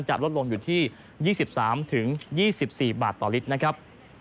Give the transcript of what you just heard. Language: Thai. จะลดลงอยู่ที่๒๓๒๔บาทต่อลิตรนะครับ